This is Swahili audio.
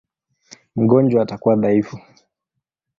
Mgonjwa atakuwa dhaifu.